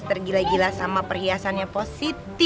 tergila gila sama perhiasannya positif